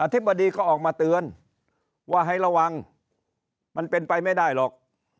ธิบดีก็ออกมาเตือนว่าให้ระวังมันเป็นไปไม่ได้หรอก